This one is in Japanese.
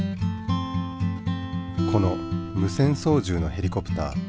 この無線そうじゅうのヘリコプター。